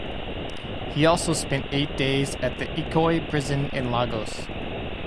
He also spent eight days at the Ikoyi Prison in Lagos.